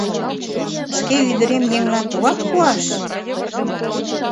Шке ӱдырем еҥлан тугак пуаш?!.